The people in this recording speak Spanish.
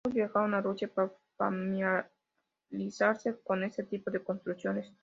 Ambos viajaron a Rusia para familiarizarse con este tipo de construcciones.